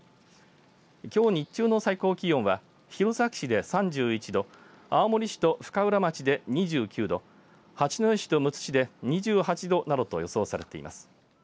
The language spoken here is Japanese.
きょう日中の最高気温は弘前市で３１度青森市と深浦町で２９度八戸市とむつ市で２８度などと予想されています。